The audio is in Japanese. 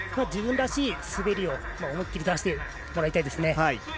自分らしい滑りを思い切り出してもらいたいですね。